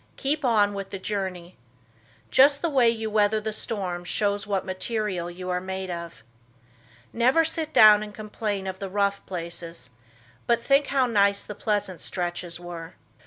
Keep on with the journey. Just the way you weather the storm shows what material you are made of. Never sit down and complain of the rough places, but think how nice the pleasant stretches were.